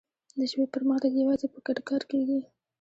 د ژبې پرمختګ یوازې په ګډ کار کېږي.